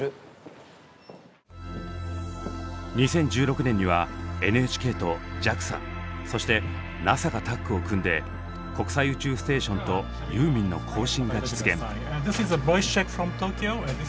今日は２０１６年にはＮＨＫとＪＡＸＡそしてＮＡＳＡがタッグを組んで国際宇宙ステーションとユーミンの交信が実現！